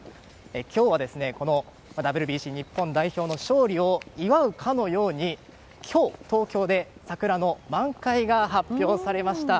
今日は、ＷＢＣ日本代表の勝利を祝うかのように今日、東京で桜の満開が発表されました。